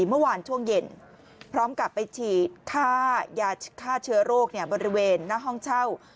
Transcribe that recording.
เมื่อวานช่วงเย็นพร้อมกับไปฉีดค่ายาฆ่าเชื้อโรคบริเวณหน้าห้องเช่า